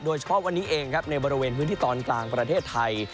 โดยเฉพาะวันนี้เองครับในบริเวณพื้นที่ตอนกลางประเทศไทย